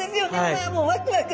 うわもうワクワク。